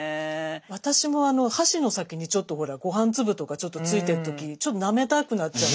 私も箸の先にちょっとほらご飯粒とかちょっとついてる時ちょっとなめたくなっちゃう。